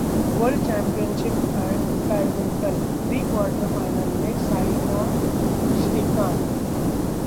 world championship badminton: pre-quarter final में साइना-श्रीकांत